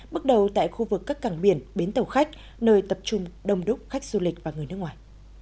bước đầu tại khu vực các cảng biển bến tàu khách nơi tập trung đông đúc khách du lịch và người nước ngoài